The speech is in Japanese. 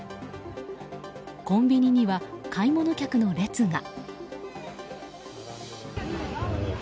コンビニには買い物客の列が。